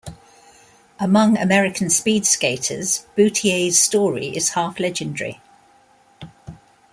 Among American speed skaters, Boutiette's story is half legendary.